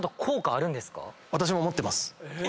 私も持ってます。